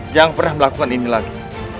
jangan pernah melakukan ini lagi